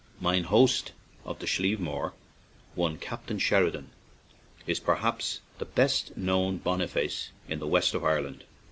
"Mine host" of the Slievemore, one Captain Sheridan, is perhaps the best known Boniface in the west of Ireland.